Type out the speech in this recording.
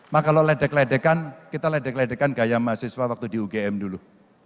maka kalau ledek ledekan kita ledek ledekan gaya mahasiswa waktu di ugm dulu